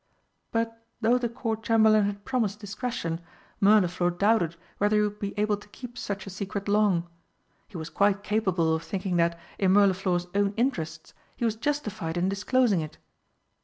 But, though the Court Chamberlain had promised discretion, Mirliflor doubted whether he would be able to keep such a secret long. He was quite capable of thinking that, in Mirliflor's own interests, he was justified in disclosing it.